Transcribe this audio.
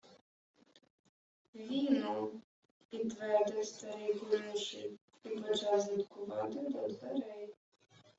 — Віно, — підтвердив старий конюший і почав задкувати до дверей.